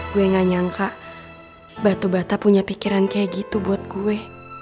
gue gak nyangka batu bata punya pikiran kayak gitu buat gue